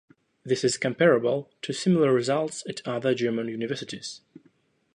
This is comparable to similar results at other German universities.